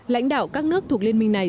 lãnh đạo các nước thuộc liên minh này